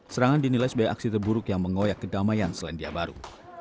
serangan dinilai sebagai aksi terburuk yang mengoyak kedamaian selandia baru